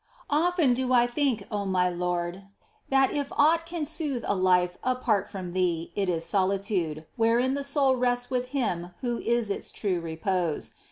Often do I think, O my Lord, that if au^t can soothe a life apart from Thee it is solitude, wherein the soul rests with Him Who is its true repose.